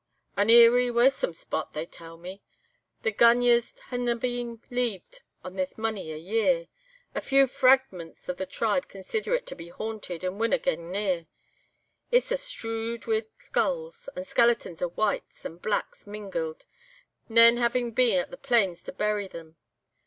"An eerie, waesome spot, they tell me. The gunyahs hae na been leeved in this mony a year. The few fra agments o' the tribe conseeder it to be haunted, and winna gang near. It's a' strewed wi' skulls, and skeletons of whites and blacks mingled, nane having been at the pains to bury them.